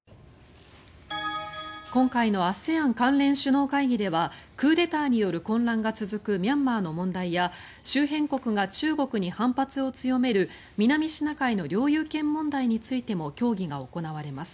今回のＡＳＥＡＮ関連首脳会議ではクーデターによる混乱が続くミャンマーの問題や周辺国が中国に反発を強める南シナ海の領有権問題についても協議が行われます。